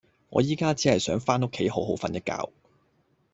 我依家只係想返屋企好好訓一覺